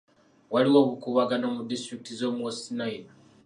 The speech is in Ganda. Waliwo obukuubagano mu disitulikiti z'omu West Nile